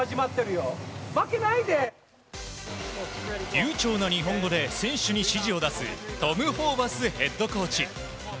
流暢な日本語で選手に指示を出すトム・ホーバスヘッドコーチ。